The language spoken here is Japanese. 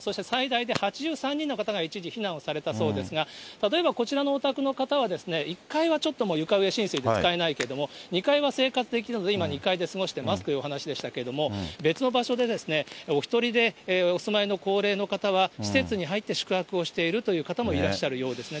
そして最大で８３人の方が一時避難をされたそうですが、例えば、こちらのお宅の方は１階はちょっと床上浸水で使えないけども、２階は生活できるので、今、２階で過ごしてますというお話でしたけれども、別の場所でお１人でお住まいの高齢の方は、施設に入って、宿泊をしているという方もいらっしゃるようですね。